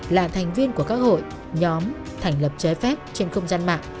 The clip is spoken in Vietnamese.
là thành viên của các hội nhóm thành lập trái phép trên không gian mạng